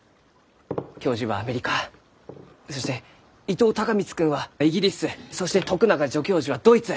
教授はアメリカそして伊藤孝光君はイギリスそして徳永助教授はドイツ。